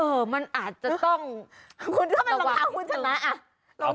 เออมันอาจจะต้องประวัติถึง